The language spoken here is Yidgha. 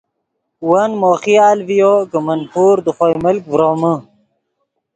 ون مو خیال ڤیو کہ من پور دے خوئے ملک ڤرومے